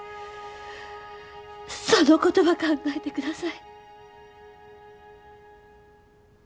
そのことば考えて下さい！